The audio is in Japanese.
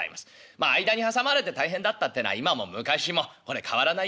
まあ間に挟まれて大変だったってのは今も昔もこれ変わらないようでございますけれども。